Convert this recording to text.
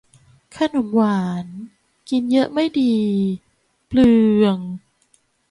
ขนมหวานกินเยอะไม่ดี เปลือง